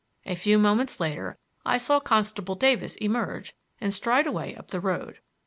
A few moments later I saw Constable Davis emerge and stride away up the road.